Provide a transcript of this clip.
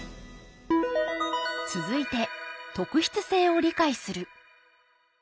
続いて「特筆性を理解する」。